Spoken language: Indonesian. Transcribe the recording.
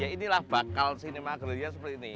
ya inilah bakal sinema grelia seperti ini